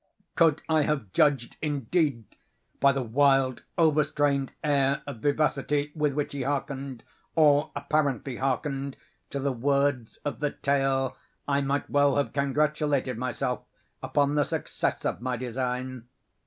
Could I have judged, indeed, by the wild overstrained air of vivacity with which he harkened, or apparently harkened, to the words of the tale, I might well have congratulated myself upon the success of my design.